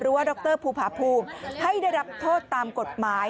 ว่าดรภูผาภูมิให้ได้รับโทษตามกฎหมาย